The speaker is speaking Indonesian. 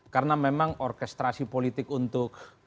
karena memang orkestrasi politik untuk